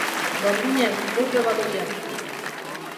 Garbiñe, gorde baloia.